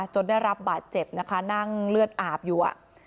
ได้รับบาดเจ็บนะคะนั่งเลือดอาบอยู่